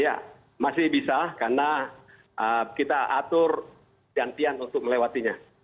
iya masih bisa karena kita atur jantian untuk melewatinya